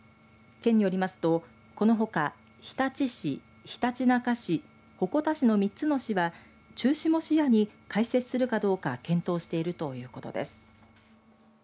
県によりますと、このほか日立市、ひたちなか市鉾田市の３つの市は中止も視野に開設するかどうか検討しているということです。